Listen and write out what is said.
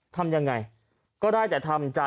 ทำยังไงก็ได้แต่ทำใจ